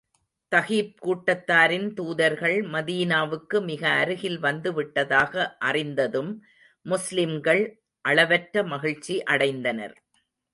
தகீப் கூட்டத்தாரின் தூதர்கள் மதீனாவுக்கு மிக அருகில் வந்து விட்டதாக அறிந்ததும், முஸ்லிம்கள் அளவற்ற மகிழ்ச்சி அடைந்தனர்.